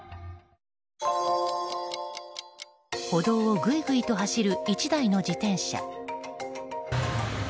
歩道をぐいぐいと走る１台の自転車。